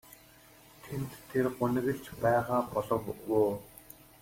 Тэнд тэр гуниглаж байгаа болов уу?